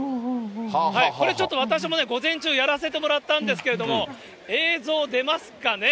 これ、ちょっと、私もね、午前中やらせてもらったんですけれども、映像出ますかね。